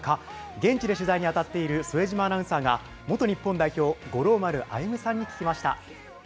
現地で取材に当たっている副島アナウンサーが元日本代表、五郎丸歩さんに聞きました。